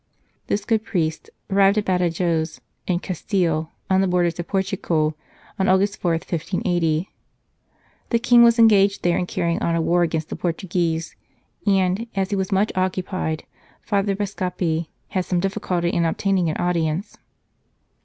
This good priest arrived at Badajoz in Castile, on the borders of Portugal, on August 4, 1580. The King was engaged there in carrying on a war against the Portuguese, and, as he was much occupied, Father Bascape had some difficult in obtaining an audience.